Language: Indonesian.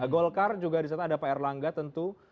golkar juga disana ada pak erlangga tentu